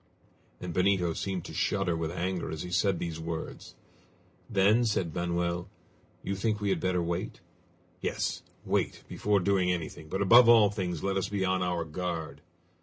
And Benito seemed to shudder with anger as he said these words. "Then," said Manoel, "you think we had better wait?" "Yes; wait, before doing anything, but above all things let us be on our guard!"